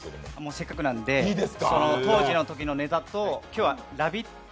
せっかくなので当時のときのネタと今日は「ラヴィット！」